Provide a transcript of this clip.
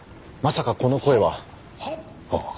まさかこの声は。ああ。